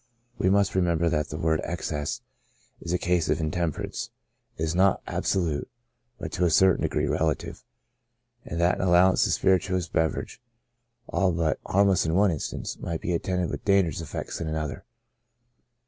We must remember that the word excess^ in cases of intempe rance, is not absolute^ but to a certain degree relative^ and that an allowance of a spirituous beverage all but harmless in one instance, might be attended with dangerous effects in another.